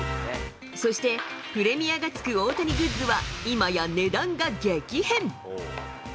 そして、プレミアがつく大谷グッズは今や値段が激変。